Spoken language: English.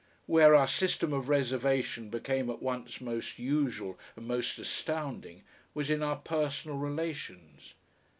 Where our system of reservation became at once most usual and most astounding was in our personal relations.